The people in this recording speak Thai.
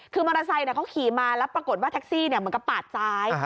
คือมอเตอร์ไซค์เขาขี่มาแล้วปรากฏว่าแท็กซี่เหมือนกับปาดซ้าย